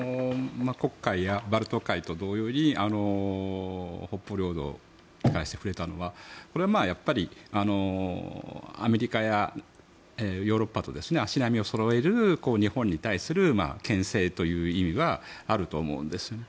黒海やバルト海と同様に北方領土に関して触れたのはこれはやっぱりアメリカやヨーロッパと足並みをそろえる日本に対するけん制という意味はあると思うんですよね。